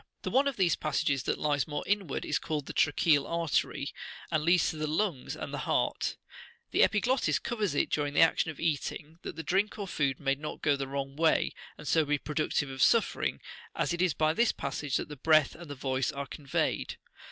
The one of these passages that lies more inward is called the [tracheal] artery, and Leads to the lungs and the heart : the epiglottis covers it during the action of eating, that the drink or food may not go the wrong way, and so be productive of suffering, as it is by this passage that the breath and the voice are conveyed.